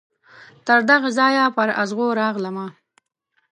تر دغه ځایه پر اغزو راغلمه